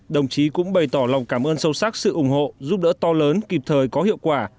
đồng chí cũng bày tỏ lòng cảm ơn sâu sắc sự ủng hộ giúp đỡ to lớn kịp thời có hiệu quả